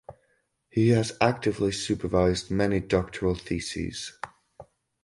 He has actively supervised many doctoral theses.